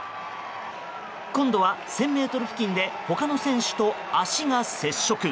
今度は１０００ｍ付近で他の選手と足が接触。